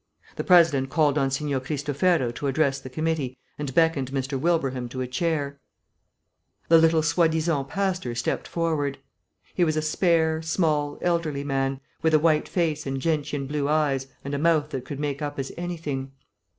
The President called on Signor Cristofero to address the committee, and beckoned Mr. Wilbraham to a chair. The little soi disant pastor stepped forward. He was a spare, small, elderly man, with a white face and gentian blue eyes and a mouth that could make up as anything.